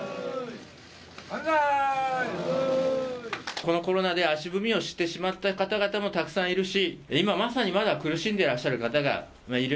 このコロナで足踏みをしてしまった方々もたくさんいるし今まさにまだ苦しんでいらっしゃる方がいる。